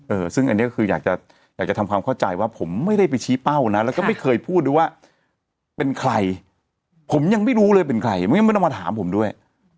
เออซึ่งอันนี้ก็คืออยากจะอยากจะทำความเข้าใจว่าผมไม่ได้ไปชี้เป้านะแล้วก็ไม่เคยพูดด้วยว่าเป็นใครผมยังไม่รู้เลยเป็นใครไม่งั้นไม่ต้องมาถามผมด้วย